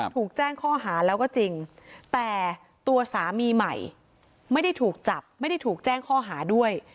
ถูกแจ้งข้อหาแล้วก็จริงแต่ตัวสามีใหม่ไม่ได้ถูกจับไม่ได้ถูกแจ้งข้อหาด้วย